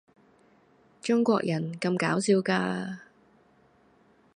中國人咁搞笑㗎